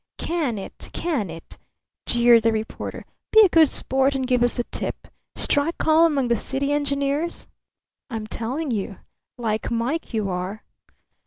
"Can it! Can it!" jeered the reporter. "Be a good sport and give us the tip. Strike call among the city engineers?" "I'm telling you." "Like Mike you are!"